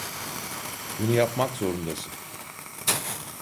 Bunu yapmak zorundasın.